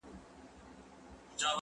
دا مطالعه له هغه ګټوره ده